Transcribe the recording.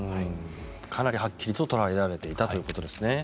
かなりはっきりと捉えられていたということですね。